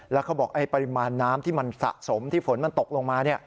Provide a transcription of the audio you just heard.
แล้วเขาบอกปริมาณน้ำที่มันสะสมที่ฝนมันตกลงมา